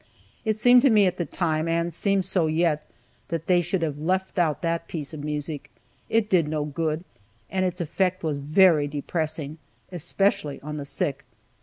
It seemed to me at the time, and seems so yet, that they should have left out that piece of music. It did no good, and its effect was very depressing, especially on the sick.